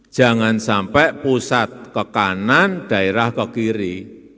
jangan sampai pusat ke kanan daerah ke kiri